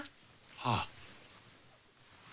はあ。